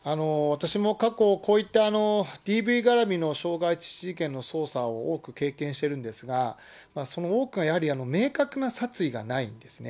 私も過去、こういったＤＶ絡みの傷害致死事件の捜査を多く経験してるんですが、その多くがやはり、明確な殺意がないんですね。